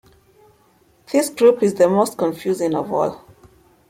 This group is the most confusing of all.